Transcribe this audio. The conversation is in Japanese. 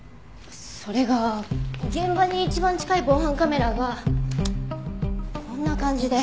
それが現場に一番近い防犯カメラがこんな感じで。